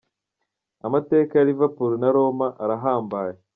Amateka ya Liverpool na Roma arahambaye.